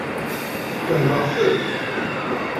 Fehmeɣ-ten.